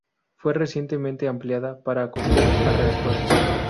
Fue recientemente ampliada para acoger a reactores.